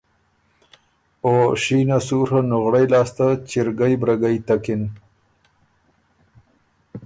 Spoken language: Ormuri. او شینه سُوڒه نُغړئ لاسته چِرګئ برګئ تکِن۔